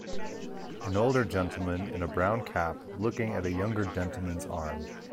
An older gentleman in a brown cap looking at a younger gentleman 's arm.